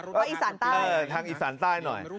เพราะอีสานใต้ทางอีสานใต้หน่อย